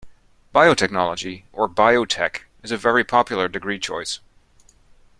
Biotechnology, or Biotech, is a very popular degree choice